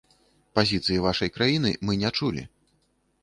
Пазіцыі вашай краіны мы не чулі.